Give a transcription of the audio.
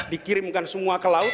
dikirimkan semua ke laut